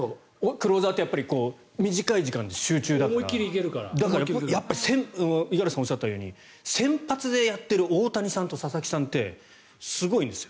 クローザーって短い時間で集中だからだから先発五十嵐さんがおっしゃったように先発でやっている大谷さんと佐々木さんってすごいんです。